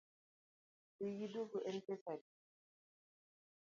Dhi gi duogo en pesa adi?